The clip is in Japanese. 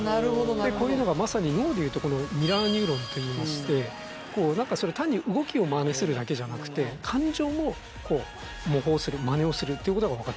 こういうのがまさに脳でいうとこのミラーニューロンといいまして何か単に動きをマネするだけじゃなくて感情もこう模倣するマネをするっていうことがわかってます。